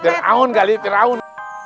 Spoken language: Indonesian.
deraun kali deraun